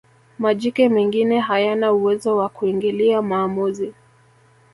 majike mengine hayana uwezo wa kuingilia maamuzi